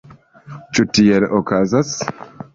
Ĉu tiel okazas?